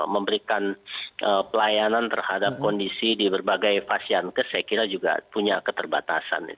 memberikan pelayanan terhadap kondisi di berbagai fasian kes saya kira juga punya keterbatasan